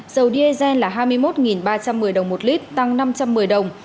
dầu diesel là hai mươi một ba trăm một mươi đồng một lít tăng năm trăm một mươi đồng